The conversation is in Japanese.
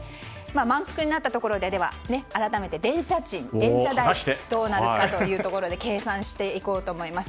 満腹になったところで改めて電車代どうなるかというところで計算していこうと思います。